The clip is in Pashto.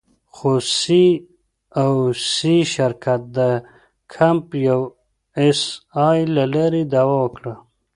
خو سي او سي شرکت د کمپ یو اس اې له لارې دعوه وکړه.